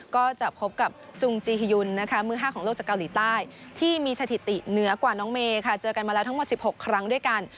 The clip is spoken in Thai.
ก็จะพบกับซุงจีฮิยุนนะคะมือ๕ของโลกจากเกาหลีใต้ที่มีสถิติเหนือกว่าน้องเมย์ค่ะเจอกันมาแล้วทั้งหมด๑๖ครั้งด้วยกัน